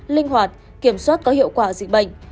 linh hoạt kiểm soát có hiệu quả dịch bệnh